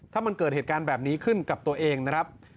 ถ้ามันเกิดเหตุการณ์แบบนี้ขึ้นกับตัวเองนะครับ